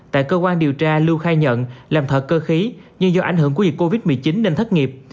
tại cơ quan điều tra lưu khai nhận làm thợ cơ khí nhưng do ảnh hưởng của dịch covid một mươi chín nên thất nghiệp